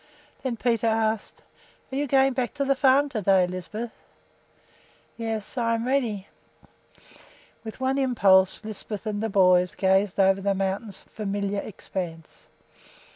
Then Peter asked, "Are you going back to the farm to day, Lisbeth?" "Yes, I am all ready." With one impulse Lisbeth and the boys gazed over the mountain's familiar expanse.